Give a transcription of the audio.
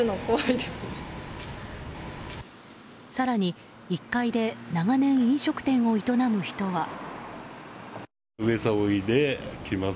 更に１階で長年、飲食店を営む人は。